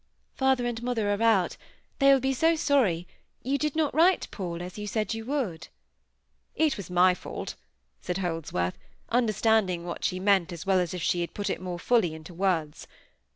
"Father and mother are out. They will be so sorry; you did not write, Paul, as you said you would." "It was my fault," said Holdsworth, understanding what she meant as well as if she had put it more fully into words.